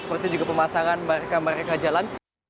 seperti juga pemasangan mereka mereka jalan